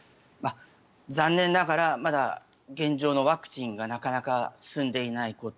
残念ながらまだ、現状のワクチンがなかなか進んでいないこと。